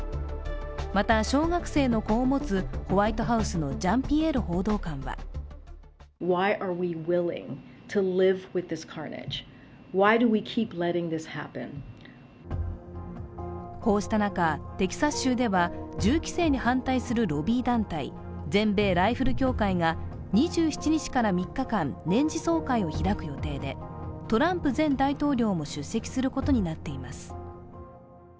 また小学生の子を持つホワイトハウスのジャンピエール報道官はこうした中、テキサス州では銃規制に反対するロビー団体全米ライフル協会が２７日から３日間年次総会を開く予定で、トランプ前大統領も出席することになっています。